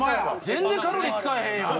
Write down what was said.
全然カロリー使わへんやん。